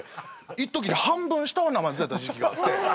いっとき半分下はナマズやった時期があって。